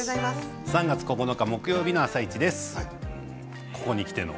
３月９日木曜日の「あさイチ」です。